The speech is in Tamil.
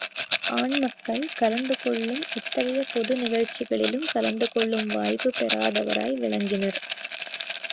ஆண் மக்கள் கலந்து கொள்ளும் எத்தகைய பொது திகழ்ச்சிகளிலும் கலந்து கொள்ளும் வாய்ப்புப் பெறாதவராய் விளங்கினர்.